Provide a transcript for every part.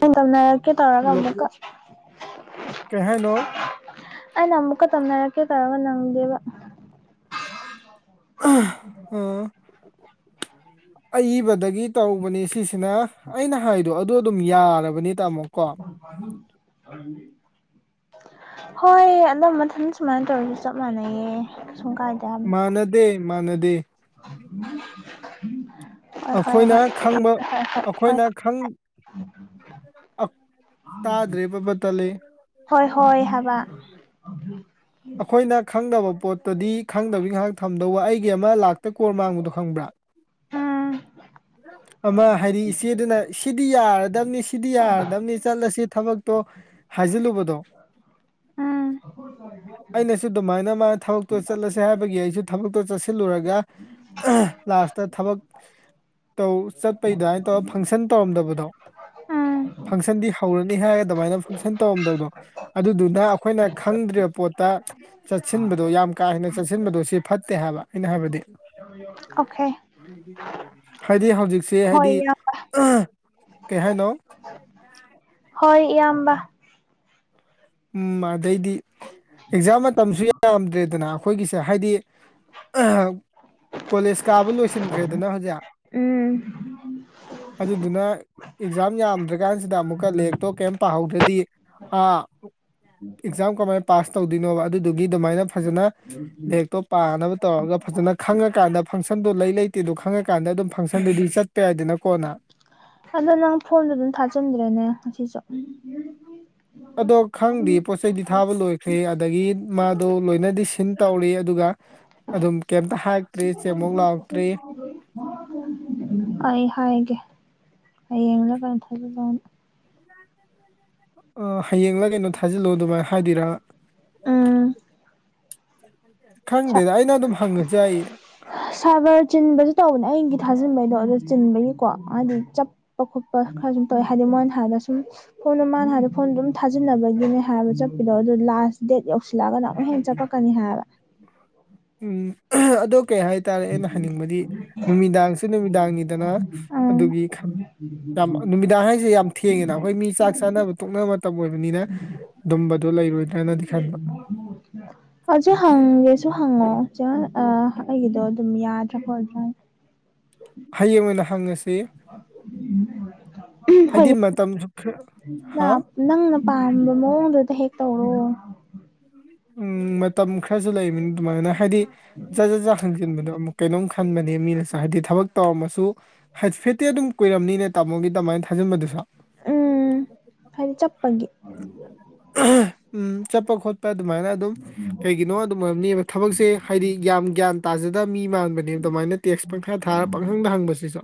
ꯍ ꯇꯧꯅꯔꯛꯀꯦ ꯇꯧꯔꯒ ꯍꯜꯂꯣ ꯑꯃꯨꯛꯀ ꯀꯩ ꯍꯥꯏꯅꯣ ꯑꯩꯩꯅ ꯑꯃꯨꯛꯀ ꯇꯝꯅꯔꯛꯀꯦ ꯇꯧꯔꯒ ꯅꯪꯗꯦꯕ ꯑ ꯑꯏꯕꯗꯒꯤ ꯇꯧꯕꯅꯦ ꯁꯤꯁꯦ ꯁꯤꯅ ꯑꯩꯅ ꯍꯥꯏꯗꯣ ꯑꯗꯨ ꯑꯗꯨꯝ ꯌꯥꯔꯕꯅꯤ ꯇꯥꯃꯣ ꯀꯣ ꯍꯣꯏ ꯑꯗꯨꯗ ꯃꯊꯪ ꯁꯨꯃꯥꯏꯅ ꯇꯧꯔꯁꯨ ꯆꯞ ꯃꯥꯟꯅꯩꯌꯦ ꯀꯩꯁꯨꯝ ꯀꯥꯏꯗ ꯃꯅꯗ ꯃꯥꯅꯗꯤ ꯎ ꯑꯩꯈꯣꯏꯅ ꯈꯪꯕ ꯑꯩꯈꯣꯏꯅ ꯈꯪ ꯑ ꯇꯥꯗ꯭ꯔꯦ ꯄꯕꯥ ꯇꯂꯦ ꯍꯣꯏ ꯍꯣꯏ ꯍꯥꯏꯕ ꯑꯩꯈꯣꯏꯅ ꯈꯪꯗꯕ ꯄꯣꯠꯇꯗꯤ ꯈꯪꯗꯕꯤ ꯉꯥꯏꯍꯥꯛ ꯊꯝꯗꯧꯕ ꯑꯩꯒꯤ ꯑꯃꯥꯛ ꯍꯦ ꯀꯣꯔ ꯃꯥꯡꯕꯗꯣ ꯈꯪꯕ꯭ꯔꯥ ꯎꯝ ꯑꯃ ꯍꯥꯏꯗꯤ ꯏꯆꯦꯗꯨꯅ ꯁꯤꯗꯤ ꯌꯥꯔꯗꯕꯅꯤ ꯁꯤꯗꯤ ꯌꯥꯔꯗꯕꯅꯤ ꯆꯠꯂꯁꯤ ꯊꯕꯛꯇꯣ ꯍꯥꯏꯖꯤꯜꯂꯨꯕꯗꯣ ꯎꯝ ꯑꯩꯅꯁꯨ ꯑꯗꯨꯃꯥꯏꯅ ꯃꯥꯅ ꯊꯕꯛꯇꯣ ꯆꯠꯂꯁꯦ ꯍꯥꯏꯕꯒꯤ ꯑꯩꯁꯨ ꯊꯕꯛꯇꯣ ꯆꯠꯁ ꯁꯤꯜꯂꯨꯔꯒ ꯂꯥꯁꯇ ꯊꯕꯛ ꯇꯧ ꯆꯠꯄꯩ ꯑꯗꯨꯃꯥꯏꯅ ꯇꯧꯔꯒ ꯐꯪꯁꯟ ꯇꯧꯔꯝꯗꯕꯗꯣ ꯎꯝ ꯐꯪꯁꯟꯗꯤ ꯍꯧꯔꯅꯤ ꯍꯥꯏꯔꯒ ꯑꯗꯨꯃꯥꯏꯅ ꯐꯪꯁꯟ ꯇꯧꯔꯝꯗꯕꯗꯣ ꯑꯗꯨꯗꯨꯅ ꯑꯩꯈꯣꯏꯅ ꯈꯪꯗ꯭ꯔꯤꯕ ꯄꯣꯠꯇ ꯆꯠꯁꯤꯟꯕꯗꯣ ꯌꯥꯝ ꯀꯥ ꯍꯦꯟꯅ ꯆꯠꯁꯤꯟꯕꯗꯣ ꯁꯤ ꯐꯠꯇꯦ ꯍꯥꯏꯕ ꯑꯩꯅ ꯍꯥꯏꯕꯗꯤ ꯑꯣꯀꯦ ꯍꯥꯏꯗꯤ ꯍꯧꯖꯤꯛꯁꯦ ꯍꯣꯏ ꯍꯥꯏꯗꯤ ꯏꯌꯥꯝꯕ ꯀꯩ ꯍꯥꯏꯅꯣ ꯍꯣꯏ ꯏꯌꯥꯝꯕ ꯎꯝ ꯑꯗꯩꯗꯤ ꯑꯦꯛꯖꯥꯝ ꯃꯇꯝꯁꯨ ꯌꯥꯝꯗ꯭ꯔꯦꯗꯅ ꯑꯩꯈꯣꯏꯒꯤꯁꯦ ꯍꯥꯏꯗꯤ ꯀꯣꯂꯦꯖ ꯀꯥꯕ ꯂꯣꯏꯁꯤꯟꯈ꯭ꯔꯦꯗꯅ ꯍꯧꯖꯤꯛ ꯎꯝ ꯑꯗꯨꯗꯨꯅ ꯑꯦꯛꯖꯥꯝ ꯌꯥꯝꯗ꯭ꯔꯀꯥꯟꯁꯤꯗ ꯑꯃꯨꯛꯀ ꯂꯦꯛꯇꯣ ꯀꯩꯝ ꯇꯥꯍꯧꯗ꯭ꯔꯗꯤ ꯑꯥ ꯑꯦꯛꯖꯥꯝ ꯀꯃꯥꯏꯅ ꯄꯥꯁ ꯇꯧꯗꯣꯏꯅꯣꯕ ꯑꯗꯨꯗꯨꯒꯤ ꯑꯗꯨꯃꯥꯏꯅ ꯐꯖꯅ ꯂꯥꯏꯔꯤꯛꯇꯣ ꯄꯥꯅꯕ ꯇꯧꯔꯒ ꯐꯖꯅ ꯈꯪꯉꯀꯥꯟꯗ ꯐꯪꯁꯟꯗꯣ ꯂꯩ ꯂꯩꯇꯦꯗꯣ ꯈꯪꯉꯀꯥꯟꯗ ꯑꯗꯨꯝ ꯐꯪꯁꯟꯗꯨꯗꯤ ꯆꯠꯄ ꯌꯥꯏꯗꯅꯀꯣꯅ ꯑꯗꯣ ꯅꯪ ꯐꯣꯟꯗꯨ ꯑꯗꯨꯝ ꯊꯥꯖꯟꯗ꯭ꯔꯦꯅꯦ ꯉꯁꯤꯁꯨ ꯑꯗꯣ ꯈꯪꯗꯦ ꯄꯣꯠ ꯆꯩꯩꯗꯤ ꯊꯥꯕ ꯂꯣꯏꯈ꯭ꯔꯦ ꯑꯗꯒꯤ ꯃꯥꯗꯣ ꯂꯣꯏꯅꯗꯤ ꯁꯤꯟ ꯇꯧꯔꯤ ꯑꯗꯨꯒ ꯑꯗꯨꯝ ꯀꯩꯝꯇ ꯍꯥꯏꯔꯛꯇ꯭ꯔꯦ ꯆꯦꯡꯃꯧꯛ ꯂꯥꯎꯔꯛꯇ꯭ꯔꯔꯤ ꯑꯩ ꯍꯥꯏꯒꯦ ꯌꯦꯡꯂ ꯀ ꯊꯥꯖꯕꯅꯤ [inaudible] ꯍꯌꯦꯡꯂꯥ ꯀꯩꯅꯣ ꯊꯥꯖꯤꯜꯂꯣ ꯑꯗꯨꯃꯥꯏꯅ ꯍꯥꯏꯗꯤꯔꯥ ꯑꯥ ꯈꯪꯗꯦꯗ ꯑꯩꯅ ꯑꯗꯨꯝ ꯍꯪꯉꯁꯦ ꯑꯩ ꯁꯥꯕꯔ ꯆꯤꯟꯕꯁꯨ ꯇꯧꯕꯅꯦ ꯑꯩꯒꯤ ꯊꯥꯖꯤꯟꯕꯩꯗꯣ ꯑꯗꯨ ꯆꯤꯟꯕꯒꯤꯀꯣ ꯍꯥꯏꯗꯤ ꯆꯞ ꯄ ꯈꯣꯠꯄ ꯈꯔ ꯁꯨꯝ ꯇꯧꯋꯦ ꯍꯥꯏꯗꯤ ꯃꯣꯏ ꯅꯍꯥꯟꯗ ꯁꯨꯝ ꯐꯣꯟꯗꯣ ꯃꯥꯅ ꯍꯥꯏꯔꯗꯣ ꯐꯣꯟꯗ ꯑꯗꯨꯝ ꯊꯥꯖꯤꯟꯅꯕꯒꯤꯅꯦ ꯍꯥꯏꯕ ꯆꯠꯄꯤꯗꯣ ꯑꯗꯨꯣ ꯂꯥꯁ ꯗꯦꯠ ꯌꯧꯁꯤꯜꯂꯛꯑꯒꯅ ꯑꯃꯨꯛ ꯍ ꯆꯠꯄ ꯀꯅꯤ ꯍꯥꯏꯕ ꯎ ꯎꯝ ꯑꯗꯣ ꯀꯩ ꯍꯥꯏꯇꯥꯔꯦ ꯑꯩꯅ ꯍꯥꯏꯅꯤꯡꯕꯗꯤ ꯅꯨꯃꯤꯗꯥꯡꯁꯨ ꯅꯨꯃꯤꯗꯥꯡꯅꯤꯗꯅ ꯎꯝ ꯑꯗꯨꯒꯤ ꯈꯟ ꯌꯥꯝ ꯅꯨꯃꯤꯗꯥꯡ ꯍꯥꯏꯁꯦ ꯌꯥꯝ ꯊꯦꯡꯉꯦꯅ ꯑꯩꯈꯣꯏ ꯃꯤ ꯆꯥꯛ ꯆꯥꯅꯕ ꯇꯣꯛꯅꯕ ꯃꯇꯝ ꯑꯣꯏꯕꯅꯤꯅ ꯑꯗꯨꯝꯕꯗꯨꯣ ꯂꯩꯔꯣꯏꯗ꯭ꯔꯅꯗꯤ ꯈꯟꯕ [inaudible] ꯍꯧꯖꯤꯛ ꯍꯪꯒꯦꯁꯨ ꯍꯪꯉꯣ [unintelligible] ꯑꯩꯒꯤꯗꯣ ꯑꯗꯨꯝ ꯌꯥꯗ꯭ꯔꯕ [unintelligible] ꯍꯌꯦꯡ ꯑꯣꯏꯅ ꯍꯪꯉꯁꯤ [unintelligible] ꯍꯥꯏꯗꯤ ꯃꯇꯝꯁꯨ ꯈꯔ ꯅ ꯍꯥ ꯅꯪꯅ ꯄꯥꯝꯕ ꯃꯑꯣꯡꯗꯨꯗ ꯍꯦꯛ ꯇꯧꯔꯣ ꯎꯝ ꯃꯇꯝ ꯈꯔꯁꯨ ꯂꯩꯕꯅ ꯑꯗꯨꯃꯥꯏꯅ ꯍꯥꯏꯗꯤ ꯖ ꯖ ꯍꯪꯖꯤꯟꯕꯗꯣ ꯑꯃꯨꯛ ꯀꯩꯅꯣꯝ ꯈꯟꯕꯅꯦ ꯃꯤꯅꯁꯨ ꯍꯥꯏꯗꯤ ꯊꯕꯛ ꯇꯧꯔꯝꯃꯁꯨ ꯍꯥꯏꯐꯦꯠꯇꯤ ꯑꯗꯨꯝ ꯀꯨꯏꯔꯝꯅꯤꯅꯦ ꯇꯥꯃꯣꯒꯤ ꯇꯃꯥꯏꯅ ꯊꯥꯖꯤꯟꯕꯗꯨꯁꯨ ꯎꯝ ꯍꯥꯏꯗꯤ ꯆꯠꯄꯒꯤ ꯎꯝ ꯆꯠꯄ ꯈꯣꯠꯄ ꯑꯗꯨꯃꯥꯏꯅ ꯑꯗꯨꯝ ꯀꯩꯒꯤꯅꯣ ꯝꯕ ꯊꯕꯛꯁꯦ ꯍꯥꯏꯗꯤ ꯒ ꯒ꯭ꯌꯥꯟ ꯇꯥꯖꯗꯕ ꯃꯤ ꯃꯥꯟꯕ ꯑ ꯑꯗꯨꯃꯥꯏꯅ ꯇꯦꯛꯁ ꯄꯪꯈꯥ ꯊꯥꯔ ꯄꯪꯈꯪꯗ ꯍꯪꯕꯁꯤꯁꯨ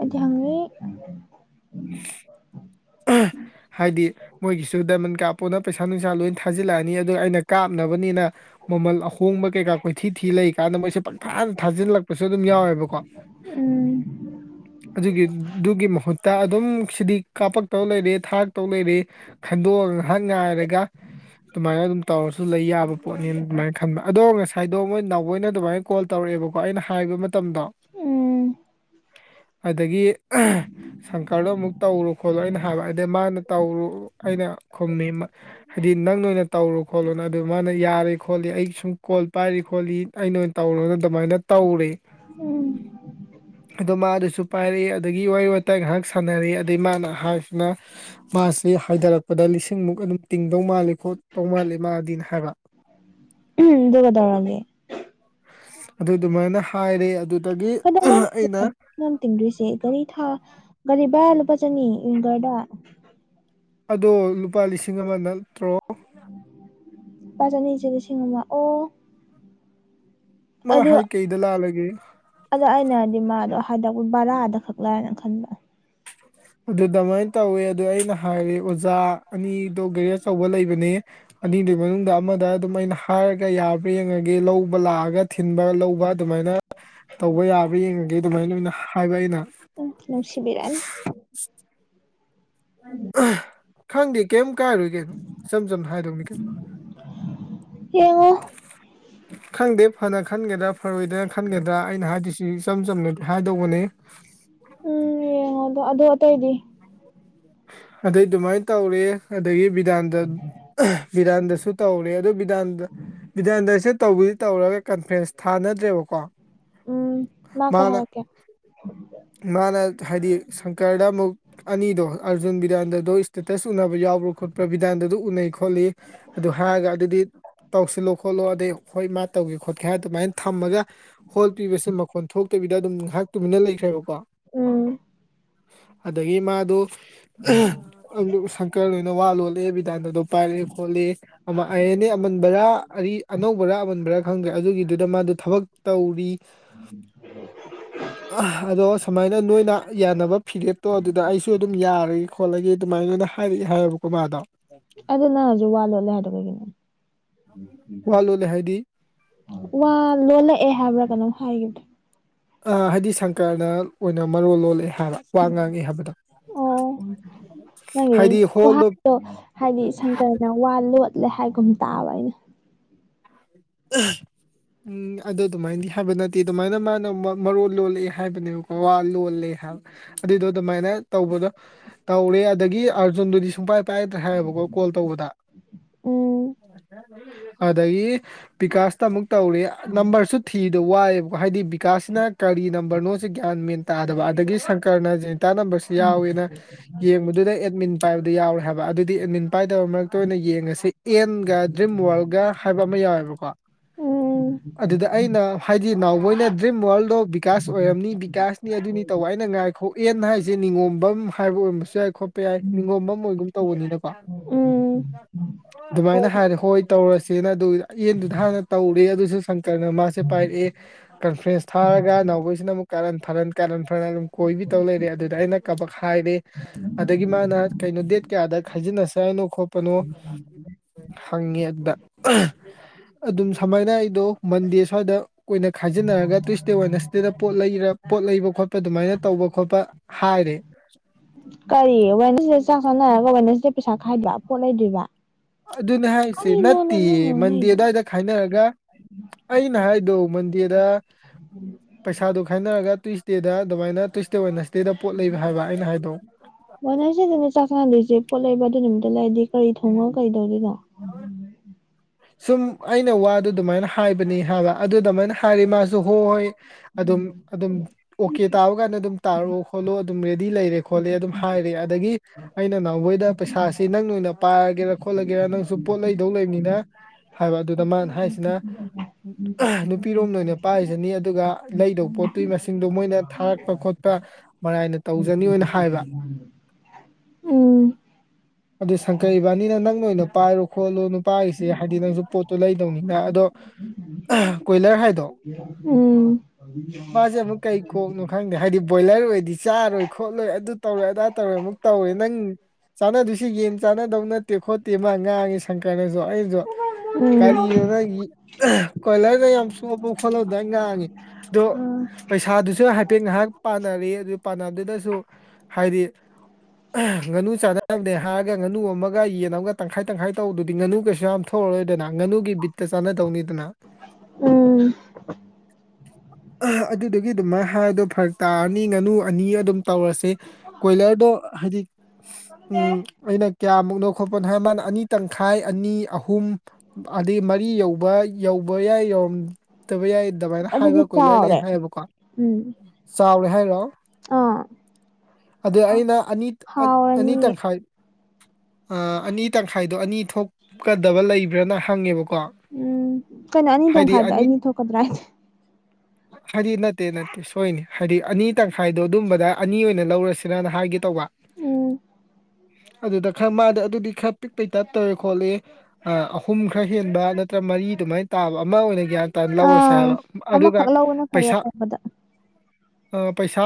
ꯑꯩꯗꯤ ꯍꯪꯔꯤ [unintelligible] ꯍꯥꯏꯗꯤ ꯃꯣꯏꯒꯤꯁꯨ ꯗꯥꯏꯃꯟ ꯀꯥꯞꯄꯣꯅ ꯄꯩꯁꯥ ꯅꯨꯡꯁꯥ ꯂꯣꯏ ꯊꯥꯖꯤꯜꯂꯛꯑꯅꯤ ꯑꯗꯨ ꯑꯩꯅ ꯀꯥꯞꯅꯕꯅꯤꯅ ꯃꯃꯜ ꯑꯍꯣꯡꯕ ꯀꯩꯀꯥ ꯀꯣꯏꯊꯤ ꯊꯤ ꯂꯩ ꯀꯥꯟꯗ ꯃꯣꯏꯁꯦ ꯄꯪꯐꯥꯅ ꯊꯥꯖꯤꯜꯂꯛꯄꯁꯨ ꯑꯗꯨꯝ ꯌꯥꯎꯋꯦꯕꯀꯣ ꯎꯝ ꯑꯗꯨꯒꯤ ꯑꯗꯨꯒꯤ ꯃꯍꯨꯠꯇ ꯑꯗꯨꯝ ꯁꯤꯗꯤ ꯀꯥꯞꯄꯛ ꯇꯧ ꯂꯩꯔꯦ ꯊꯥꯛꯇꯧ ꯂꯩꯔ ꯈꯟꯗꯣꯛꯑꯒ ꯉꯥꯏꯍꯥꯛ ꯉꯥꯏꯔꯒ ꯑꯗꯨꯃꯥꯏꯅ ꯑꯗꯨꯝ ꯇꯧꯔꯁꯨ ꯂꯩ ꯌꯥꯕ ꯄꯣꯠꯅꯦꯅ ꯑꯗꯨꯃꯥꯏꯅ ꯈꯟꯕ ꯑꯗꯣ ꯉꯁꯥꯏꯗꯣ ꯃꯣꯏ ꯅꯥꯎꯃꯣꯏꯅ ꯑꯗꯨꯃꯥꯏꯅ ꯀꯣꯜ ꯇꯧꯔꯛꯑꯦꯕꯀꯣ ꯑꯩꯅ ꯍꯥꯏꯕ ꯃꯇꯝꯗ ꯎꯝ ꯑꯗꯒꯤ ꯁꯪꯀꯥꯔꯗꯣ ꯑꯃꯨꯛ ꯇꯧꯔꯣ ꯈꯣꯠꯂꯣ ꯑꯩꯅ ꯍꯥꯏꯕ ꯑꯗꯩ ꯃꯥꯅ ꯇꯧꯔꯨ ꯑꯩꯅ ꯈꯨꯝꯃꯤ ꯍꯥꯏꯗꯤ ꯅꯪ ꯅ ꯑꯣꯏꯅ ꯇꯧꯔꯨ ꯈꯣꯠꯂꯨꯅ ꯑꯗꯨ ꯃꯥꯅ ꯌꯥꯔꯦ ꯈꯣꯠꯂꯤ ꯑꯩ ꯁꯨꯝ ꯀꯣꯜ ꯄꯥꯏꯔꯤ ꯈꯣꯠꯂꯤ ꯑꯩ ꯅ ꯑꯣꯏꯅ ꯇꯧꯔꯒ ꯑꯗꯨꯃꯥꯏꯅ ꯇꯧꯔꯦ ꯎꯝ ꯑꯗꯣ ꯃꯥꯗꯨꯁꯨ ꯄꯥꯏꯔꯛꯑꯦ ꯑꯗꯒꯤ ꯋꯥꯔꯤ ꯋꯥꯇꯥꯏ ꯉꯥꯏꯍꯥꯛ ꯁꯥꯟꯅꯔꯛꯏ ꯑꯗꯗꯒꯤ ꯃꯥꯅ ꯍꯥꯏ ꯅ ꯃꯥꯁꯤ ꯍꯥꯏꯊꯔꯛꯄꯗ ꯂꯤꯁꯤꯡꯃꯨꯛ ꯑꯗꯨꯝ ꯇꯤꯡꯗꯧ ꯃꯥꯜꯂꯤ ꯈꯣꯠꯇꯧ ꯃꯥꯜꯂꯤ ꯃꯥꯗꯤ ꯍꯥꯏꯕ [unintelligible] ꯑꯗꯨ ꯀꯩꯗꯧꯔꯒꯦ ꯑꯗꯨ ꯑꯗꯨꯃꯥꯏꯅ ꯍꯥꯏꯔꯦ ꯑꯗꯨꯗꯒꯤ ꯑꯩꯅ [unintelligible] ꯇꯤꯡꯗꯣꯏꯁꯦ ꯒꯥꯔꯤ ꯊꯥꯎ ꯒꯥꯔꯤ ꯕꯔꯥ ꯂꯨꯄꯥ ꯆꯅꯤ ꯋꯤꯡꯒꫪꯗ ꯑꯗꯣ ꯂꯨꯄꯥ ꯂꯤꯁꯤꯡ ꯑꯃ ꯅꯠꯇ꯭ꯔꯣ ꯂꯨꯄꯥ ꯆꯅꯤꯖꯦ ꯂꯤꯁꯤꯡ ꯑꯃꯥ ꯑꯣ ꯃꯥ ꯍꯥꯏ ꯀꯩꯗ ꯂꯥꯜꯂꯒꯦ ꯑꯗꯣ ꯑꯩꯅ ꯍꯥꯏꯗꯤ ꯃꯥꯗꯣ ꯍꯥꯏꯗꯛꯄ ꯕꯔꯥꯗ ꯈꯛ ꯂꯥꯏꯅ ꯈꯟꯕ ꯑꯗꯨ ꯗꯃꯥꯏꯅ ꯇꯧꯋꯦ ꯑꯗꯨ ꯑꯩꯅ ꯍꯥꯏꯔꯦ ꯑꯣꯖꯥ ꯑꯅꯤꯗꯣ ꯒꯥꯔꯤ ꯑꯆꯧꯕ ꯂꯩꯕꯅꯦ ꯑꯅꯤꯗꯨꯒꯤ ꯃꯅꯨꯡꯗ ꯑꯃꯗ ꯑꯗꯨꯝ ꯑꯩꯅ ꯍꯥꯏꯔꯒ ꯒ ꯌꯥꯕ꯭ꯔꯥ ꯌꯦꯡꯉꯒꯦ ꯂꯧꯕ ꯂꯥꯛꯑꯒ ꯊꯤꯟꯕ ꯂꯧꯕ ꯑꯗꯨꯃꯥꯏꯅ ꯇꯧꯕ ꯌꯥꯕ꯭ꯔꯥ ꯌꯦꯡꯉꯒꯦ ꯑꯗꯨꯃꯥꯏꯅ ꯂꯅ ꯍꯥꯏꯕ ꯑꯩꯅ ꯎꯝ ꯅꯨꯡꯁꯤꯕꯤꯔꯛꯑꯅꯤ [inaudible] ꯈꯪꯗꯦ ꯀꯩꯝ ꯀꯥꯏꯔꯣꯏ ꯀꯩꯅꯣ ꯏꯆꯝ ꯆꯝꯅ ꯍꯥꯏꯗꯧꯅꯤ ꯀꯩꯅꯣ ꯌ‌ꯦꯡꯉ‌ꯣ ꯈꯪꯗꯦ ꯐꯅ ꯈꯟꯒꯗ꯭ꯔꯥ ꯐꯔꯣꯏꯗ꯭ꯔꯥ ꯈꯟꯒꯗ꯭ꯔꯥ ꯑꯩꯅ ꯍꯥꯏꯗ‌ꯣꯏꯁꯤ ꯏꯆꯝ ꯆꯝꯅꯗꯤ ꯍꯥꯏꯗꯧꯕꯅꯤ ꯎꯝ ꯌꯦꯡꯉ‌ꯣ ꯑꯗꯣ ꯑꯗ‌ꯣ ꯑꯇꯩꯗꯤ ꯑꯗꯩ ꯑꯗꯨꯃꯥꯏꯅ ꯇꯧꯔꯦ ꯑꯗꯒꯤ ꯕꯤꯗꯥꯟꯗ ꯕꯤꯗꯥꯟꯗꯁꯨ ꯇꯧꯔꯦ ꯑꯗꯨ ꯕꯤꯗꯥꯟꯗ ꯕꯤꯗꯥꯟꯗꯁꯦ ꯇꯧꯕꯨꯗꯤ ꯇꯧꯔꯒ ꯀꯟꯐ꯭ꯔꯦꯟꯁ ꯊꯥꯅꯗ꯭ꯔꯦꯕꯀꯣ ꯎꯝ ꯃꯥ ꯀꯩ ꯃꯥꯅ ꯍꯥꯏꯔꯛꯀꯦ ꯃꯥꯅ ꯍꯥꯏꯗꯤ ꯁꯪꯀꯔꯗ ꯑꯃꯨꯛ ꯑꯅꯤꯗꯣ ꯑꯥꯔꯖꯨꯟ ꯕꯤꯗꯟꯗꯗꯣ ꯏꯁꯇꯦꯇꯁ ꯎꯅꯕ ꯌꯥꯎꯕ꯭ꯔꯥ ꯈꯣꯠꯄ꯭ꯔꯥ ꯚꯤꯗꯥꯟꯗ ꯑꯗꯨ ꯎꯅꯩ ꯈꯣꯠꯂꯤ ꯑꯗꯨ ꯍꯥꯏꯔꯒ ꯑꯗꯨꯗꯤ ꯇꯧꯁꯤꯜꯂꯣ ꯈꯣꯠꯂꯣ ꯑꯗꯩ ꯍꯣꯏ ꯃꯥ ꯇꯧꯒꯦ ꯈꯣꯠꯀꯦ ꯍꯥꯏ ꯑꯗꯨꯃꯥꯏꯅ ꯊꯝꯃꯒ ꯍꯣꯜ ꯄꯤꯕꯁꯦ ꯃꯈꯣꯟ ꯊꯣꯛꯇꯕꯤꯗ ꯑꯗꯨꯝ ꯉꯥꯏꯍꯥꯛꯇꯨꯃꯤꯟꯅ ꯂꯩꯈ꯭ꯔꯦꯕꯀꯣ ꯎꯝ ꯑꯗꯒꯤ ꯃꯥꯗꯣ ꯁꯪꯀꫪꯍꫭꯏꯗ ꯋꯥ ꯂꯣꯠꯂꯦ ꯕꯤꯗꯥꯏꯟꯗꯗꯣ ꯄꯥꯏꯔꯦ ꯈꯣꯠꯂꯤ ꯑꯃ ꯑꯥꯏ ꯑꯦꯟ ꯑꯦ ꯑꯃꯟꯕꯔ ꯑꯔꯤ ꯑꯅꯧꯕꯔ ꯑꯃꯟ ꯕ꯭ꯔ ꯈꯪꯗ꯭ꯔꯦ ꯑꯗꯨꯒꯤꯗꯨꯗ ꯃꯥꯗꯨ ꯊꯕꯛ ꯇꯧꯔꯤ [unintelligible] ꯑ ꯑꯗꯣ ꯁꯨꯃꯥꯏꯅ ꯅꯣꯏꯅ ꯌꯥꯅꯕ ꯐꯤꯔꯦꯞꯇꯣ ꯑꯗꯨꯗ ꯑꯩꯁꯨ ꯑꯗꯨꯝ ꯌꯥꯔ ꯈꯣꯠꯂꯒꯦ ꯑꯗꯨꯃꯥꯏꯅ ꯑꯣꯏꯅ ꯍꯥꯏꯔꯛꯏ ꯍꯥꯏꯌꯦꯕꯀꯣ ꯃꯥꯗꯣ ꯑꯗꯨ ꯅꯪ ꯍꯧꯖꯤꯛ ꯋꯥ ꯂꯣꯜꯂꯦ ꯍꯥꯏꯗ‌ꯣ ꯀꯩꯒꯤꯅꯣ ꯋꯥ ꯂꯣꯜꯂꯦ ꯍꯥꯏꯗꯤ ꯋꯥ ꯂꯣꯜꯂꯛꯑꯦ ꯍꯥꯏꯕ꯭ꯔꯥ ꯀꯩꯅꯣꯝ ꯍꯥꯏꯈꯤ ꯑꯥ ꯍꯥꯏꯗꯤ ꯁꯪꯀꯔꯅ ꯑꯣꯏꯅ ꯃꯔꯣꯜ ꯂꯣꯜꯂꯛꯑꯦ ꯍꯥꯏꯕ ꯋꯥ ꯉꯥꯡꯉꯛꯑꯦ ꯍꯥꯏꯕꯗꯣ ꯑꯣ ꯅꯪꯒꯤꯗꯣ ꯍꯥꯏꯗꯤ ꯍꯣꯜꯗꯣ ꯈꯨꯍꯥꯏ ꯍꯥꯏꯗꯤ ꯁꯪꯀꯔꯅ ꯋꯥ ꯂꯣꯠꯂꯦ ꯍꯥꯏꯒꯨꯝ ꯇꯥꯕ ꯑꯩꯅ [unintelligible] ꯎꯝ ꯑꯗꯨ ꯑꯗꯨꯃꯥꯏꯅ ꯍꯥꯏꯕ ꯅꯠꯇꯦ ꯑꯗꯨꯃꯥꯏꯅ ꯃꯥꯅ ꯃꯔꯣꯟ ꯂꯣꯜꯂꯛꯑꯦ ꯍꯥꯏꯕꯅꯦꯕꯀꯣ ꯋꯥ ꯂꯣꯜꯂꯦ ꯍꯥꯏꯕ ꯑꯗꯨꯏꯗꯣ ꯑꯗꯨꯃꯥꯏꯅ ꯇꯧꯕꯗꯣ ꯇꯧꯔꯦ ꯑꯗꯒꯤ ꯑꯥꯔꯖꯨꯟꯗꯨꯗꯤ ꯁꯨꯡꯄꯥꯏ ꯄꯥꯏꯔꯛꯇꯔꯦ ꯍꯥꯏꯌꯦꯕꯀꯣ ꯀꯣꯜ ꯇꯧꯕꯗ ꯎꯝ ꯑꯗꯒꯤ ꯕꯤꯀꯥꯁꯇ ꯑꯃꯨꯛ ꯇꯧꯔ‌ꯦ ꯅꯝꯕꯔꯁꯨ ꯊꯤꯕꯗ ꯋꯥꯏꯑꯦꯕꯀ‌ꯣ ꯍꯥꯏꯗꯤ ꯕꯤꯀꯥꯁꯅ ꯀꯔꯤ ꯅꯝꯕꯔꯅꯣꯁꯦ ꯒ꯭ꯌꯥꯟ ꯃꯦꯟ ꯇꯥꯗꯕ ꯑꯗꯒꯤ ꯁꯪꯀꯔꯅ ꯖꯅꯤꯇꯥ ꯅꯝꯕꯔꯁꯦ ꯌꯥꯎꯋꯦꯅ ꯌꯦꯡꯕꯗꯨꯗ ꯑꯦꯗꯃꯤꯟ ꯄꯥꯏꯕꯗ ꯌꯥꯎꯔꯦ ꯍꯥꯏꯕ ꯑꯗꯨꯗꯤ ꯑꯦꯗꯃꯤꯟ ꯄꯥꯏꯗꯕ ꯃꯔꯛꯇ ꯑꯣꯏꯅ ꯌꯦꯡꯉꯁ‌ꯦ ꯑꯦꯟꯒ ꯗ꯭ꯔꯤꯝ ꯋꯥꯔꯜꯒ ꯍꯥꯏꯕ ꯑꯃ ꯌꯥꯎꯋꯦꯕꯀꯣ ꯎꯝ ꯑꯗꯨꯗ ꯑꯩꯅ ꯍꯥꯏꯗꯤ ꯅꯥꯎꯕ‌ꯣꯏꯅ ꯗ꯭ꯔꯤꯝ ꯋꯥꯔꯜ ꯇ‌ꯣ ꯕꯤꯀꯥꯁ ꯑꯣꯏꯔꯝꯅꯤ ꯕꯤꯀꯥꯁꯅꯤ ꯑꯗꯨꯅꯤ ꯇꯧꯕ ꯑꯩꯅ ꯉꯥꯏꯈꯣ ꯑꯦꯟ ꯍꯥꯏꯁꯦ ꯅꯤꯉꯣꯝꯕꯝ ꯍꯥꯏꯕ ꯑꯣꯏꯔꯝꯕꯁꯨ ꯌꯥꯏ ꯈꯣꯠ ꯄ ꯌꯥꯏ ꯅꯤꯡꯉꯣꯝꯕꯝ ꯑ‌ꯣꯏꯒꯨꯝ ꯇꯧꯕꯅꯤꯅꯀꯣ ꯎꯝ ꯑꯗꯨꯃꯥꯏꯅ ꯍꯥꯏꯔꯦ ꯍꯣꯏ ꯇꯧꯔꯁꯦꯅ ꯑꯗꯨ ꯑꯦꯟꯗꯨꯗ ꯍꯥꯟꯅ ꯇꯧꯔꯦ ꯑꯗꯨꯁꯨ ꯁꯪꯀꯔꯅ ꯃꯥꯁꯦ ꯄꯥꯏꯔꯛꯑꯦ ꯀꯟꯐ꯭ꯔꯦꯟꯁ ꯊꯥꯔꯒ ꯑꯅꯥꯎꯕ‌ꯣꯏꯁꯤꯅ ꯑꯃꯨꯛ ꯀꯥꯔꯟ ꯐꯥꯔꯟ ꯀꯥꯔꯟ ꯐꯥꯔꯟ ꯀꯣꯏꯕꯤ ꯇꯧ ꯂꯩꯔꯦ ꯑꯗꯨꯗ ꯑꯩꯅ ꯀꯕꯛ ꯍꯥꯏꯔꯦ ꯑꯗꯒꯤ ꯃꯥꯅ ꯀꯩꯅꯣ ꯗꯦꯠ ꯀꯌꯥꯗ ꯈꯥꯏꯖꯤꯟꯅꯁ‌ꯦ ꯍꯥꯏꯅꯣ ꯈꯣꯠꯄꯅꯣ ꯍꯪꯉꯦ ꯑꯗꯨꯗ ꯑꯗꯨꯝ ꯁꯨꯃꯥꯏꯅ ꯑꯩꯗꯣ ꯃꯟꯗꯦ ꯁ꯭ꯋꯥꯏꯗ ꯑꯣꯏꯅ ꯈꯥꯏꯖꯤꯟꯅꯔꯒ ꯇꯨꯏꯁꯗꯦ ꯋ‌ꯦꯅꯁꯗꯦꯗ ꯄꯣꯠ ꯂꯩꯔ ꯄꯣꯠ ꯂꯩꯕ ꯈꯣꯠꯄ ꯑꯗꯨꯃꯥꯏꯅ ꯇꯧꯕ ꯈꯣꯠꯄ ꯍꯥꯏꯔ‌ꯦ ꯀꯔꯤ ꯋ‌ꯦꯅꯁꯗ‌ꯦꯗ ꯆꯥꯛ ꯆꯥꯟꯅꯔꯒ ꯋꯦꯅꯁꯗ ꯄꯩꯁꯥ ꯈꯥꯏꯕ ꯄꯣꯠ ꯂꯩꯗꯔꯤꯕ ꯑꯗꯨꯅꯦ ꯍꯥꯏꯁꯦ ꯅꯠꯇꯦ ꯃꯟꯗ‌ꯦ ꯉꯥꯡꯅꯩꯗꯣ ꯑꯗꯨꯋꯥꯏꯗ ꯈꯥꯏꯅꯔꯒ ꯑꯩꯅ ꯍꯥꯏꯗꯣ ꯃꯟꯗꯦꯗ ꯄꯩꯁꯥꯗꯨ ꯈꯥꯏꯅꯔꯒ ꯇꯨꯋꯏꯁꯗꯦꯗ ꯑꯗꯨꯃꯥꯏꯅ ꯇꯨꯋꯁꯗꯦ ꯋ‌ꯦꯅꯁ ꯀꯩꯗ ꯄꯣꯠ ꯂꯩꯕ ꯍꯥꯏꯕ ꯑꯩꯅ ꯍꯥꯏꯗ‌ꯣ ꯋ‌ꯦꯅꯁꯗ‌ꯦꯗ ꯅ‌ꯦ ꯆꯥꯛ ꯆꯥꯟꯅꯗꯣꯏꯁꯦ ꯄꯣꯠ ꯂꯩꯕ ꯑꯗꯨ ꯅꯨꯃꯤꯠꯇ ꯂꯩꯔꯗꯤ ꯀꯔꯤ ꯊꯣꯡꯉ ꯀꯩꯗꯧꯗ‌ꯣꯏꯅꯣ ꯁꯨꯝ ꯑꯩꯅ ꯋꯥꯗꯨ ꯑꯗꯨꯃꯥꯏꯅ ꯍꯥꯏꯕꯅꯤ ꯍꯥꯏꯕ ꯑꯗꯨꯗ ꯃꯥꯅ ꯍꯥꯏꯔ‌ꯦ ꯃꯥꯁꯨ ꯍꯣꯏ ꯑꯗꯨꯝ ꯑꯗꯨꯝ ꯑꯣꯀꯦ ꯇꯥꯕ ꯀꯥꯟꯗ ꯑꯗꯨꯝ ꯇꯥꯔꯛꯑꯣ ꯈꯣꯠꯂꯣ ꯑꯗꯨꯝ ꯔꯦꯗꯤ ꯂꯩꯔꯦ ꯈꯣꯠꯂꯦ ꯑꯗꯨꯝ ꯍꯥꯏꯔꯦ ꯑꯗꯒꯤ ꯑꯩꯅ ꯅꯍꯎꯕꯩꯗ ꯄꯩꯁꯥꯁꯤ ꯅꯪ ꯑꯣꯏꯅ ꯄꯥꯔꯒꯦꯔꯥ ꯈꯣꯠꯂꯒꯦꯔꯥ ꯅꯪ ꯁꯨ ꯄꯣꯠ ꯂꯩꯗꯧ ꯂꯩꯕꯅꯤꯅ ꯍꯥꯏꯕ ꯑꯗꯨꯗ ꯃꯥꯅ ꯍꯥꯏꯁꯤꯅ ꯅꯨꯄꯤꯔꯣꯝꯅ ꯑꯣꯏꯅ ꯄꯥꯏꯁꯤꯅꯤ ꯑꯗꯨꯒ ꯂꯩꯗꯧꯕ ꯄꯣꯠꯇꯨꯒꯤ ꯃꯁꯤꯡꯗꯣ ꯃꯣꯏꯅ ꯊꯥꯔꯛꯄ ꯈꯣꯠꯄ ꯃꯔꯥꯏꯅ ꯇꯧꯖꯅꯤꯅ ꯍꯥꯏꯕ ꯎ ꯎꯝ ꯑꯗꯨ ꯁꯪꯀꯩ ꯏꯕꯥꯅꯤꯅ ꯅꯪꯅ ꯑꯣꯏꯅ ꯄꯥꯏꯔꯨ ꯈꯣꯠꯂꯨ ꯅꯨꯄꯥꯒꯤꯁꯦ ꯍꯥꯏꯗꯤ ꯅꯪꯁꯨ ꯄꯣꯠꯇꯣ ꯂꯩꯗꯧꯅꯤꯅ ꯑꯗꯣ ꯀꯣꯏꯂꯔ ꯍꯥꯏꯗꯣ ꯎꯝ ꯃꯥꯁꯦ ꯑꯃꯨꯛ ꯀꯩ ꯀꯣꯛꯅꯣ ꯈꯪꯗꯦ ꯍꯥꯏꯗꯤ ꯕꯣꯏꯂꯔ ꯑꯣꯏꯔꯗꯤ ꯆꯥꯔꯣꯏ ꯈꯣꯠꯂꯣꯏ ꯑꯗꯨ ꯇꯧꯔꯣꯏ ꯑꯗꯥ ꯇꯧꯔꯣꯏ ꯑꯃꯨꯛ ꯇꯧꯔꯦ ꯅꯪ ꯆꯥꯟꯅꯗꯣꯏꯁꯤ ꯌꯦꯟ ꯆꯥꯟꯅꯗꯧ ꯅꯠꯇꯦ ꯈꯣꯠꯇꯦ ꯃꯥ ꯉꯥꯡꯉ‌ꯦ ꯁꯪꯀꯔꯅꯁꯨ ꯑꯩꯅꯁꯨ ꯎꯝ ꯀꯔꯤꯅꯣ ꯅꯪꯒꯤ ꯀꯣꯏꯂꯔꯗ ꯌꯥꯝ ꯆ‌ꯣꯞꯄ ꯈꯣꯠꯂꯗꯥꯏ ꯉꯥꯡꯉꯤ ꯑꯗꯣ ꯎꯝ ꯄꯩꯁꯥꯗꯨꯁꯨ ꯍꯥꯏꯐꯦꯠ ꯉꯥꯏꯍꯥꯛ ꯄꯥꯟꯅꯔ‌ꯦ ꯑꯗꯨ ꯄꯥꯟꯅꯕꯗꯨꯗꯁꯨ ꯍꯥꯏꯗꯤ ꯉꯥꯅꯨ ꯆꯥꯟꯅꯁ‌ꯦ ꯊꯥꯔꯒ ꯉꯥꯅꯨ ꯑꯃꯒ ꯌꯦꯟ ꯑꯃꯒ ꯇꯪꯈꯥꯏ ꯇꯪꯈꯥꯏ ꯇꯧꯕꯗꯨꯗꯤ ꯉꯥꯨꯒꯩꯁꯨ ꯌꯥꯝ ꯊꯣꯛꯑꯔꯣꯏꯗꯅ ꯉꯥꯅꯨꯒꯤꯕꯤ ꯍꯛꯇ ꯆꯥꯟꯅꯗꯧꯅꯤꯗꯅ ꯎꯝ ꯑ ꯑꯗꯨꯗꯨꯒꯤ ꯑꯗꯨꯃꯥꯏꯅ ꯍꯥꯏꯗꯣ ꯐꯔꯛ ꯇꯥꯔꯅꯤ ꯉꯥꯅꯨ ꯑꯅꯤ ꯑꯗꯨꯝ ꯇꯧꯔꯁꯤꯦ ꯀꯣꯏꯂꯔꯗꯣ ꯍꯥꯏꯗꯤ ꯎꯝ ꯑꯩꯅ ꯀꯌꯥꯃꯨꯛꯅ ꯈꯣꯠꯄꯅ ꯍꯥꯏ ꯃꯥꯅ ꯑꯅꯤ ꯇꯪꯈꯥꯏ ꯑꯅꯤ ꯑꯍꯨꯝ ꯑꯗꯩ ꯃꯔꯤ ꯌꯧꯕ ꯌꯧꯕ ꯌꯥꯏ ꯌꯧꯔꯝ ꯆꯠꯇꯕ ꯌꯥꯏ ꯑꯗꯨꯃꯥꯏꯅ ꯍꯥꯏꯕ ꯑꯗꯨꯗꯤ ꯀꯣꯏꯂꯔ ꯂꯩ ꯆꯥꯎꯔꯦ ꯍꯥꯏꯌꯦꯕꯀꯣ ꯎꯝ ꯆꯥꯎꯔꯦ ꯍꯥꯏꯔꯣ ꯑꯥ ꯑꯗ ꯑꯩꯅ ꯑꯅꯤ ꯑꯅꯤ ꯍꯥꯎꯔꯅꯤꯌꯦ ꯇꯪꯈꯥꯏ ꯑꯅꯤ ꯇꯪꯈꯥꯏꯗꯣ ꯑꯅꯤ ꯊꯣꯛꯀꯗꯕ ꯂꯩꯕ꯭ꯔꯅ ꯍꯪꯉꯦꯕꯀꯣ ꯎꯝ ꯀꯩꯅꯣ ꯑꯅꯤ ꯇꯧ ꯍꯥꯏꯗꯤ ꯃꯈꯥꯏꯗ ꯑꯩꯅꯤ ꯊꯣꯛꯀꯗ꯭ꯔꯥ ꯍꯥꯏꯁꯦ ꯍꯥꯏ ꯅꯠꯇꯦ ꯅꯠꯇꯦ ꯁꯣꯏꯅꯤ ꯍꯥꯏꯗꯤ ꯑꯅꯤ ꯇꯪꯈꯥꯏꯗꯣ ꯑꯗꯨꯝꯕꯗ ꯑꯅꯤ ꯑꯣꯏꯅ ꯂꯧꯔꯁꯤꯅꯅ ꯍꯥꯏꯒꯦ ꯇꯧꯕ ꯎꯝ ꯑꯗꯨꯗ ꯈꯔ ꯃꯥꯗꯤ ꯑꯗꯨꯗꯤ ꯈꯔ ꯄꯤꯛꯄꯩ ꯇꯠꯇꯧꯋꯦ ꯈꯣꯠꯂꯤ ꯑꯍꯨꯝ ꯈꯔ ꯍꯦꯟꯕ ꯅꯠꯇ꯭ꯔ ꯃꯔꯤ ꯑꯗꯨꯃꯥꯏꯅ ꯇꯥꯕ ꯑꯃ ꯑꯣꯏꯅ ꯒ꯭ꯌꯥꯟ ꯂꯧꯔꯁꯦ ꯍꯥꯏꯕ ꯑꯥ ꯑꯗꯨꯒ ꯑꯃꯈꯛ ꯂꯧꯕꯅ ꯐꯩ ꯄꯩꯁꯥ ꯑꯇꯣꯞꯄꯗ ꯄꯩꯁꯥ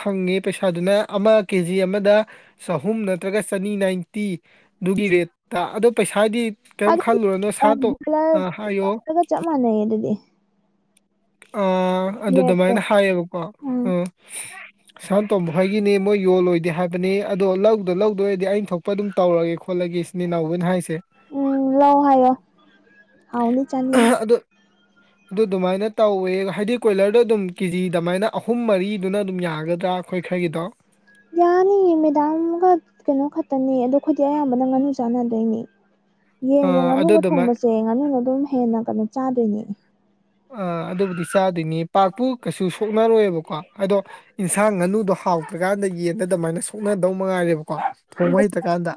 ꯍꯪꯉꯦ ꯄꯩꯁꯥꯗꯨꯅ ꯑꯃ ꯀꯦ ꯖꯤ ꯑꯃꯗ ꯆꯍꯨꯝ ꯅꯠꯇ꯭ꯔꯒ ꯆꯅꯤ ꯅꯥꯏꯟꯇꯤꯗꯨꯒꯤ ꯔꯦꯠꯇ ꯑꯗꯣ ꯄꯩꯁꯥꯗꯤ ꯀꯔꯤꯝ ꯑꯗꯨ ꯈꯜꯂꯨꯔꯅꯣ ꯁꯥꯇꯣ ꯑ ꯍꯥꯏꯌꯣ ꯕꯣꯏꯂꯔꯒ ꯆꯞ ꯃꯥꯟꯅꯩꯌꯦ ꯑꯗꯨꯗꯤ ꯑ ꯑꯗꯨ ꯔꯦꯠꯇꯣ ꯑꯗꯨꯃꯥꯏꯅ ꯍꯥꯏꯌꯦꯕꯀꯣ ꯎꯝ ꯑ ꯁꯥꯟ ꯇꯣꯝꯝꯕ ꯍꯣꯏꯒꯤꯅꯤ ꯃꯣꯏ ꯌꯣꯜꯂꯣꯏꯗꯦ ꯍꯥꯏꯕꯅꯤ ꯑꯗꯣ ꯂꯧꯗ ꯂꯧ ꯑꯗꯨ ꯑꯣꯏꯔꯗꯤ ꯑꯩꯅ ꯊꯣꯛꯄ ꯑꯗꯨꯝ ꯇꯧꯔꯒꯦ ꯈꯣꯠꯂꯒꯦ ꯏꯆ ꯏꯅꯥꯎꯕꯅ ꯍꯥꯏꯁꯤꯦ ꯎꯝ ꯂꯧ ꯍꯥꯏꯌꯣ ꯍꯥꯎꯅꯤ ꯆꯥꯅꯤꯡꯉꯤ ꯑꯗꯣ ꯑꯗꯨ ꯑꯗꯨꯃꯥꯏꯅ ꯇꯧꯋꯦ ꯍꯥꯏꯗꯤ ꯀꯣꯏꯂꯔꯗ ꯑꯗꯨꯝ ꯀꯦꯖꯤ ꯑꯗꯨꯃꯥꯏꯅ ꯑꯍꯨꯝ ꯃꯔꯤꯗꯨꯅ ꯑꯗꯨꯝ ꯌꯥꯒꯗ꯭ꯔꯥ ꯑꯩꯈꯣꯏ ꯈꯔꯒꯤꯗꯣ ꯌꯥꯅꯤꯌꯦ ꯃꯦꯗꯥꯥꯟꯒ ꯀꯩꯅꯣ ꯈꯛꯇꯅꯦ ꯑꯗꯣ ꯑꯩꯈꯣꯏꯗꯤ ꯑꯌꯥꯝꯕꯅ ꯉꯥꯅꯨ ꯆꯥꯟꯅꯗꯣꯏꯅꯦ ꯑ ꯌꯦꯡ ꯑꯗꯨ ꯉꯥꯅꯨꯒ ꯑꯗꯨꯃꯥꯏ ꯊꯣꯡꯕꯁꯦ ꯉꯥꯅꯨꯅ ꯑꯗꯨꯝ ꯍꯦꯟꯅ ꯀꯩꯅꯣ ꯆꯥꯗꯣꯏꯅꯦ ꯑꯥ ꯑꯗꯨꯕꯨꯗꯤ ꯆꯥꯗꯣꯏꯅꯤ ꯄꯥꯛꯄꯨ ꯀꯩꯁꯨ ꯁꯣꯛꯅꯔꯣꯏꯕꯀꯣ ꯑꯗꯣ ꯌꯦꯟꯁꯥꯡ ꯉꯥꯅꯨꯗꯣ ꯍꯥꯎꯇ꯭ꯔꯀꯥꯟꯗ ꯌꯦꯟꯗ ꯑꯗꯨꯃꯥꯏꯅ ꯁꯣꯛꯅꯗꯧ ꯃꯉꯥꯏꯔꯦꯕꯀꯣ ꯊꯣꯡꯕ ꯍꯩꯇ꯭ꯔꯀꯥꯟꯗ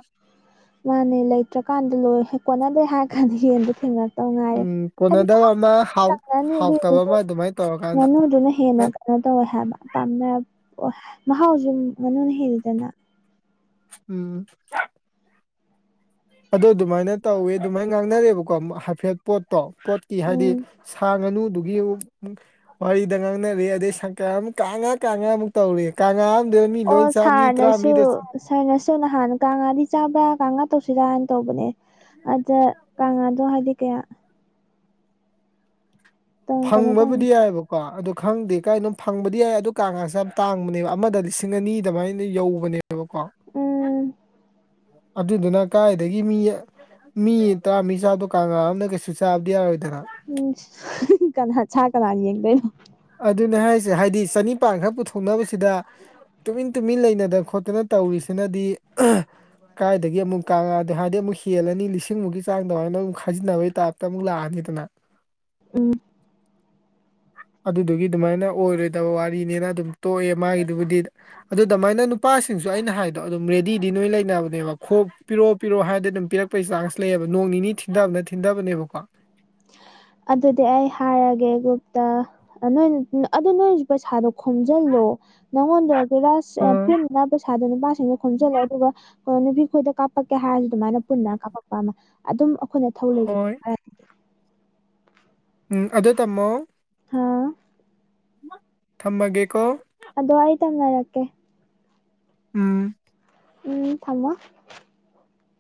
ꯃꯥꯅꯦ ꯂꯩꯇ꯭ꯔꯀꯥꯟꯗ ꯂꯣꯏ ꯀꯣꯟꯠꯅꯗꯦ ꯍꯥꯏꯔ ꯀꯥꯟꯗ ꯌꯦꯟꯗꯣ ꯊꯦꯡꯅꯔꯦ ꯎꯝ ꯀꯣꯟꯅꯗꯕ ꯑꯃ ꯍꯥꯎ ꯍꯥꯎꯇꯕ ꯑꯃ ꯑꯗꯨꯃꯥꯏꯅ ꯇꯧꯔꯀꯥꯟꯗ ꯑꯃꯗꯨꯅ ꯍꯦꯟꯅ ꯀꯩꯅꯣ ꯇꯧꯋꯦ ꯍꯥꯏ ꯄꯥꯝꯅ ꯃꯍꯥꯎꯁꯨ ꯉꯥꯅꯨꯅ ꯍꯦꯜꯂꯤꯗꯅ ꯎꯝ ꯑꯗꯨ ꯑꯗꯨꯃꯥꯏꯅ ꯇꯧꯋꯦ ꯑꯗꯨꯃꯥꯏꯅ ꯉꯥꯡꯅꯔꯦꯕꯀꯣ ꯍꯥꯏꯐꯦꯠ ꯄꯣꯠꯇꯣ ꯄꯣꯠꯀꯤ ꯍꯥꯏꯗꯤ ꯎꯝ ꯁꯥꯡꯉꯅꯤ ꯑꯗꯨꯒꯤ ꯋꯥꯔꯤꯗ ꯉꯥꯡꯅꯔꯦ ꯑꯗꯩ ꯁꯪꯀ ꯑꯃꯨꯛ ꯀꯥꯉ ꯀꯥꯉ ꯑꯃꯨꯛ ꯇꯧꯔꯦ ꯀꯪꯉꯥ ꯑꯃꯗꯕꯨ ꯃꯤ ꯂꯣꯏ ꯆꯥ ꯃꯤ ꯇꯔꯥꯃꯔꯤ ꯗꯣ ꯁꯥꯔ ꯅ ꯁꯨ ꯅꯍꯥꯟ ꯀꯥꯡꯉꯥꯗꯤ ꯆꯥꯕ꯭ꯔꯥ ꯀꯥꯡꯉꯥ ꯇꯧꯁꯤꯔꯥꯅ ꯇꯧꯕꯅꯦ ꯑꯗ ꯀꯪꯉꯥꯗꯣ ꯍꯥꯏꯗꯤ ꯀꯌꯥ ꯀꯩꯅꯣ ꯇꯧꯅꯤ ꯐꯪꯕꯕꯨꯗꯤ ꯌꯥꯏꯑꯕ ꯀꯣ ꯑꯗꯨ ꯈꯪꯗꯦ ꯀꯥꯏ ꯑꯗꯨꯝ ꯐꯪꯕꯗꯤ ꯌꯥꯏ ꯑꯗꯨ ꯀꯥꯒꯥꯁꯦ ꯌꯥꯝ ꯇꯥꯡꯕꯅꯦꯕ ꯑꯃꯗ ꯂꯤꯁꯤꯡ ꯑꯅꯤꯗꯃꯥꯏꯅ ꯌꯧꯕꯅꯦꯕ ꯑꯗꯨꯀꯣ ꯎꯝ ꯑꯗꯨꯗꯨꯅ ꯀꯗꯥꯥꯏꯗꯒꯤ ꯃꯤ ꯃꯤ ꯇꯔꯥ ꯃꯤ ꯆꯥꯗꯣ ꯀꯥꯡꯥ ꯑꯝꯅ ꯀꯩꯁꯨ ꯆꯥꯕꯗꯤ ꯌꯥꯔꯣꯏꯗꯅ ꯎꯝ ꯀꯅꯥ ꯀꯅꯤ ꯌꯦꯗ ꯑꯗꯨꯅꯦ ꯍꯥꯏꯁꯦ ꯍꯥꯏꯗꯤ ꯆꯅꯤꯄꯥꯟ ꯈꯔ ꯄꯨꯊꯣꯛꯅꯕꯁꯤꯗ ꯇꯨꯃꯤꯟ ꯇꯨꯃꯤꯟ ꯂꯩꯅꯗꯅ ꯈꯣꯠꯇꯅ ꯇꯧꯔꯤꯁꯤꯅꯗꯤ ꯀꯥꯏꯗꯒꯤ ꯑꯃꯨꯛ ꯀꯪꯉꯛꯑꯗꯣ ꯍꯥꯏꯕꯗꯤ ꯑꯃꯨꯛ ꯍꯦꯜꯂꯅꯤ ꯂꯤꯁꯤꯡꯃꯨꯛꯀꯤ ꯆꯥꯡꯗꯧ ꯍꯥꯏꯅ ꯑꯃꯨꯛ ꯈꯖꯤꯟꯅꯕꯒꯤ ꯇꯥꯏꯞꯇ ꯑꯃꯨꯛ ꯂꯥꯛꯑꯅꯤꯗꯅ ꯎꯝ ꯑꯗꯨꯗꯨꯒꯤ ꯑꯗꯨꯃꯥꯏꯅ ꯑꯣꯏꯔꯣꯏꯗꯕ ꯋꯥꯔꯤꯅꯤꯅ ꯑꯗꯨꯝ ꯇꯣꯛꯑꯦ ꯃꯥꯒꯤꯗꯨꯕꯨꯗꯤ ꯑꯗꯨ ꯑꯗꯨꯃꯥꯏꯅ ꯅꯨꯄꯥꯁꯤ ꯁꯤꯡꯁꯨ ꯑꯩꯅ ꯍꯥꯏꯗꯣ ꯑꯗꯨꯝ ꯔꯦꯗꯤꯗꯤꯂꯣꯏ ꯂꯩꯅꯕꯅꯦꯕ ꯈꯣꯞ ꯄꯤꯔꯣ ꯄꯤꯔꯛꯑꯣ ꯍꯥꯏꯔꯗꯤ ꯑꯗꯨꯝ ꯄꯤꯔꯛꯄ [unintelligible] ꯆꯥꯟꯁ ꯂꯩꯌꯦꯕ ꯅꯣꯡ ꯅꯤꯅꯤ ꯊꯤꯟꯊꯕꯅ ꯊꯤꯟꯊꯕꯅꯦꯕꯀꯣ ꯑꯗꯨꯗꯤ ꯑꯩ ꯍꯥꯏꯔꯒꯦ ꯒ꯭ꯔꯨꯞꯇ ꯅꯣꯏ ꯑꯗꯨ ꯅꯣꯏꯁꯨ ꯄꯩꯁꯥꯗꯣ ꯈꯣꯝꯖꯤꯜꯂꯣ ꯅꯪꯉꯣꯟꯗ ꯔꯥꯁ ꯑꯥ ꯄꯨꯟꯅ ꯄꯩꯁꯥꯗꯣ ꯅꯨꯄꯥꯁꯤꯡꯅ ꯈꯣꯝꯖꯤꯜꯂ ꯑꯗꯨꯒ ꯅꯨꯄꯤ ꯈꯣꯏꯗ ꯀꯥꯞ ꯀꯥꯞꯄꯛꯀꯦ ꯍꯥꯏꯔꯁꯨ ꯑꯗꯨꯃꯥꯏꯅ ꯄꯨꯟꯅ ꯀꯥꯄꯛꯄ ꯑꯃ ꯑꯗꯨꯝ ꯑꯩꯈꯣꯏꯅ ꯊꯧ ꯂꯩ ꯍꯣꯏ ꯎꯝ ꯑꯗꯨ ꯇꯝꯃꯣ ꯍꯥꯥ ꯊꯝꯃꯒꯦꯀꯣ ꯑꯗꯣ ꯑꯩ ꯇꯝꯅꯔꯛꯀꯦ ꯎꯝ ꯎꯝ ꯊꯝꯃꯣ